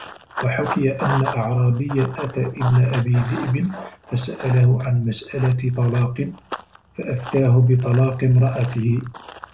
وَحُكِيَ أَنَّ أَعْرَابِيًّا أَتَى ابْنَ أَبِي ذِئْبٍ فَسَأَلَهُ عَنْ مَسْأَلَةِ طَلَاقٍ فَأَفْتَاهُ بِطَلَاقِ امْرَأَتِهِ